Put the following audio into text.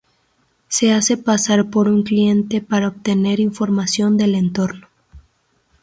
Se hace pasar por un cliente para obtener información del entorno.